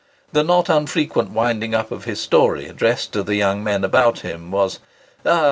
The not unfrequent winding up of his story addressed to the young men about him, was, "Ah!